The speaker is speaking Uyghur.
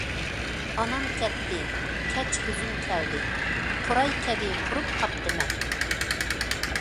ئانام كەتتى- كەچ كۈزۈم كەلدى، قوراي كەبى قۇرۇپ قاپتىمەن.